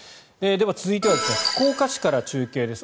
続いては福岡市から中継です。